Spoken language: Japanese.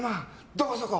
どこそこ！